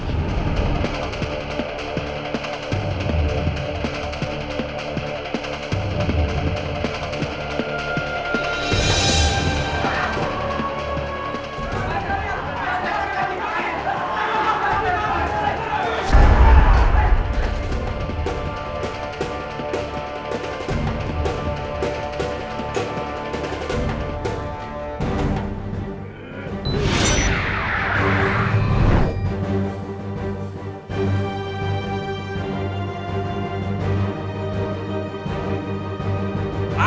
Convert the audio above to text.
baiklah saya mengerti